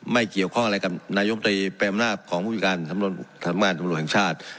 ไม่เกี่ยวข้ออะไรกับนโยมตรีแพลมหน้าของมุ่งพิการทำลงงานตัมตัมลชาติ